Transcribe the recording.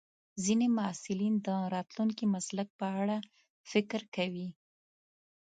ځینې محصلین د راتلونکي مسلک په اړه فکر کوي.